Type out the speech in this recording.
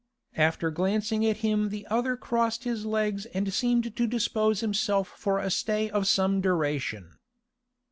After glancing at him the other crossed his legs and seemed to dispose himself for a stay of some duration.